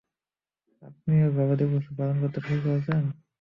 আপনিও গবাদি পশু পালন শুরু করেছেন?